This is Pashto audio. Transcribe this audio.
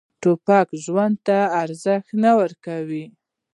توپک ژوند ته ارزښت نه ورکوي.